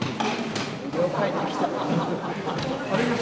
よう帰ってきた。